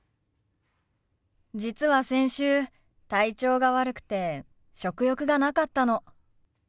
実は先週体調が悪くて食欲がなかったの。